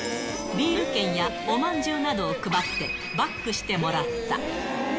ビール券やおまんじゅうなどを配って、バックしてもらった。